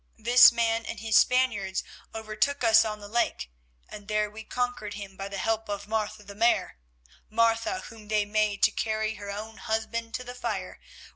This man and his Spaniards overtook us on the lake, and there we conquered him by the help of Martha the Mare, Martha whom they made to carry her own husband to the fire.